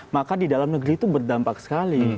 maka di dalam negeri itu berdampak sekali